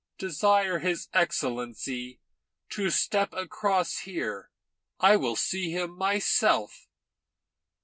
"Desire his Excellency to step across here. I will see him myself."